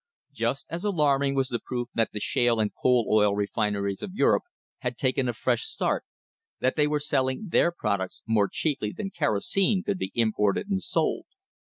Just as alarming was the proof that the shale and coal oil refineries of Europe had taken a fresh start — that they were selling their products more cheaply than kerosene could be imported and sold.